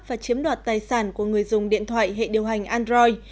và chiếm đoạt tài sản của người dùng điện thoại hệ điều hành android